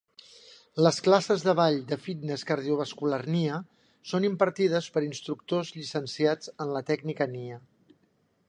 Les classes de ball de fitness cardiovascular Nia són impartides per instructors llicenciats en la tècnica Nia.